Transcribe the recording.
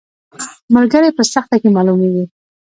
ملګری په سخته کې معلومیږي